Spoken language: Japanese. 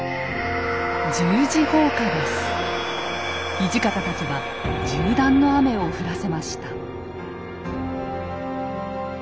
土方たちは銃弾の雨を降らせました。